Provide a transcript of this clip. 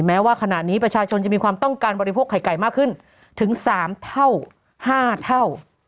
แม้ว่าขณะนี้ประชาชนจะมีความต้องการบริโภคไข่ไก่มากขึ้นถึง๓เท่า๕เท่า